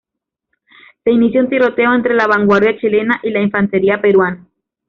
Se inicia un tiroteo entre la vanguardia chilena y la infantería peruana.